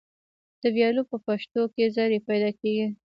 د ویالو په پشتو کې زرۍ پیدا کیږي.